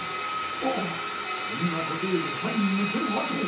あっそんなことよりはんにんのてのあとを。